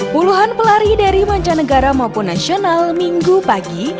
puluhan pelari dari mancanegara maupun nasional minggu pagi